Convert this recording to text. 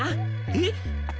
えっ！